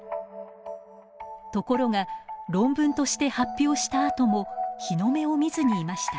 ところが論文として発表したあとも日の目を見ずにいました。